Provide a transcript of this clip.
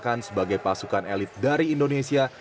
dan juga membangkan sebagai pasukan elit dari indonesia